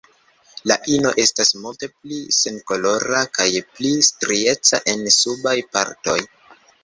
La ino estas multe pli senkolora kaj pli strieca en subaj partoj.